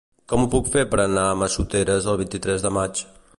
Com ho puc fer per anar a Massoteres el vint-i-tres de maig?